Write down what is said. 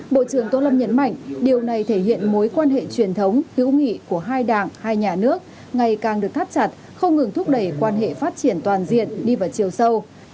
bộ trưởng tô lâm nhấn mạnh điều này thể hiện mối quan hệ truyền thống hữu nghị của hai đảng hai nhà nước ngày càng được thắt chặt không ngừng thúc đẩy quan hệ phát triển toàn diện đi vào chiều sâu